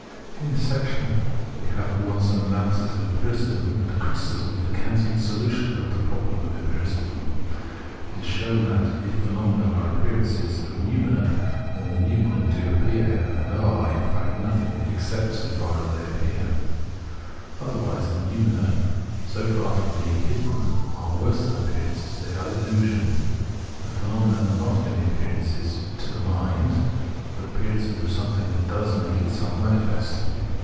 In this section we have at once an analysis of empiricism and a critici.sm of the Kantian solution of the problem of empiricism. It is shown that if phenomena are appearances of noumena, then the noumena do appear, and are, in fact, nothing except so far as they appear :— otherwise the noumena, so far being "hidden,"' are worse than appearances, they are illusion. The phenomena arc not merely appearances "to the mind," but appearances of something that does make itself manifest.